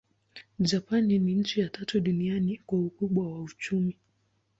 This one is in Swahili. Japani ni nchi ya tatu duniani kwa ukubwa wa uchumi.